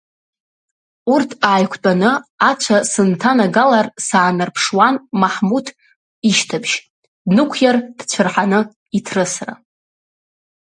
Урҭ ааиқәтәаны ацәа сынҭанагалар, саанарԥшуан Маҳмуҭ ишьҭыбжь, днықәиар дцәырҳаны иҭрысра.